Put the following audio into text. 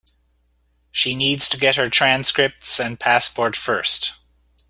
She needs to get her transcripts and passport first.